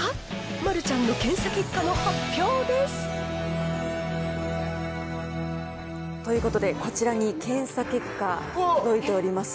丸ちゃんの検査結果の発表です。ということで、こちらに検査結果届いております。